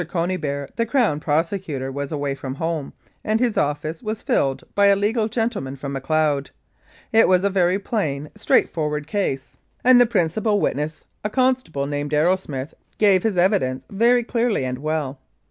Cony beare, the Crown Prosecutor, was away from home, and his office was filled by a legal gentleman from Macleod. It was a very plain, straightforward case, and the 287 Mounted Police Life in Canada principal witness, a constable named Arrowsmith, gave his evidence very clearly and well.